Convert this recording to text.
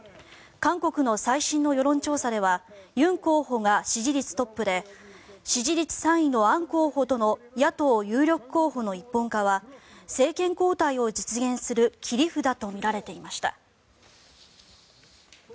韓国の最新の世論調査ではユン候補が支持率トップで支持率３位のアン候補との野党有力候補の一本化は政権交代を実現する切り札とみられていました。